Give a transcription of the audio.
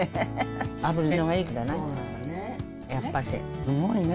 やっぱり。